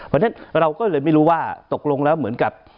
เพราะฉะนั้นเราก็เลยไม่รู้ว่าตกลงแล้วเหมือนกับ